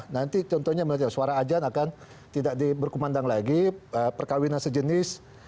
nanti contohnya suara ajan akan tidak diberkumandang lagi perkawinan sejenis